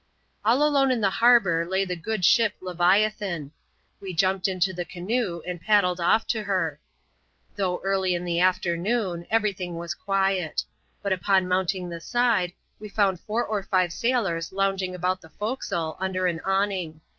All alone in the harbour lay the good ship Leviathan. We jumped into the canoe, and paddled off to her. Though eariy in the afternoon, every thing was quiet ; but upon mounting the side, we found four or ^ye sailors lounging about the fore castle, under an awning.